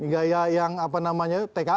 gaya yang apa namanya tka